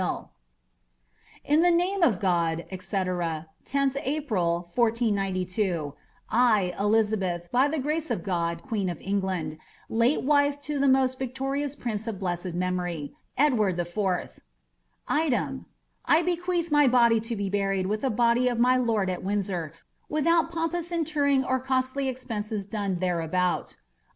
^■• In the name of God, 6ui^ 10th April, 1493, 1, Elisabeth, by the grace of God qaeeii of England, late wife to the moit victorious prince of bletced memory, Edward IV. «• Itewi. I bequeath my body to be buried with the body of my lord at Windsor, without pompous interring or costly expenses done thereabout.